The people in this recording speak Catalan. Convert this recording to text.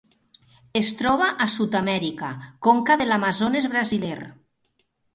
Es troba a Sud-amèrica: conca de l'Amazones brasiler.